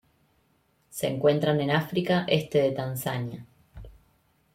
Se encuentran en África: este de Tanzania.